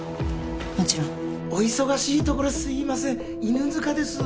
もちろんお忙しいところすいません犬塚です